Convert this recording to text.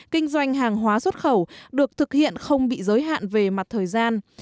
kinh doanh hàng hóa xuất khẩu được thực hiện không bị giới hạn về mặt thời gian